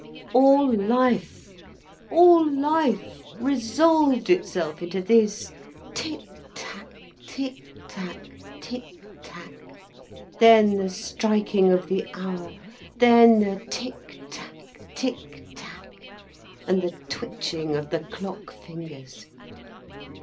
All life, all life resolved itself into this: tick tack, tick tack, tick tack; then the striking of the hour; then the tick tack, tick tack, and the twitching of the clock fingers.